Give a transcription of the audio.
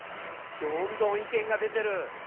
どんどん意見が出てる！